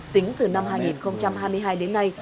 tính từ năm hai nghìn hai mươi hai đến nay